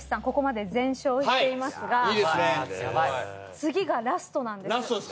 ここまで全勝していますが次がラストなんです。